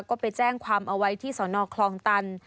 ก็ไปแจ้งความเอาไว้ที่สนคลองตัน